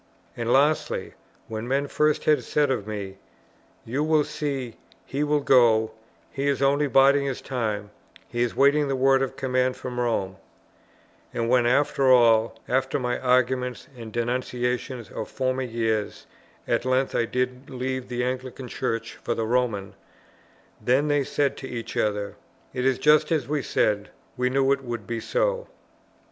And, lastly, when men first had said of me, "You will see, he will go, he is only biding his time, he is waiting the word of command from Rome," and, when after all, after my arguments and denunciations of former years, at length I did leave the Anglican Church for the Roman, then they said to each other, "It is just as we said: we knew it would be so."